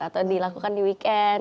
atau dilakukan di weekend